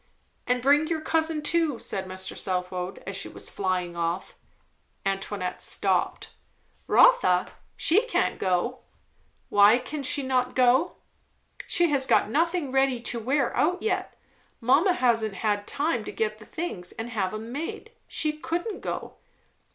"And bring your cousin too," said Mr. Southwode as she was flying off. Antoinette stopped. "Rotha? she can't go." "Why can she not go?" "She has got nothing ready to wear out yet. Mamma hasn't had time to get the things and have 'em made. She couldn't go."